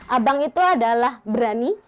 abang itu adalah berani